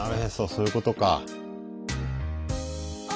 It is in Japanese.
そういうことか。